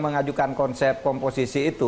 mengajukan konsep komposisi itu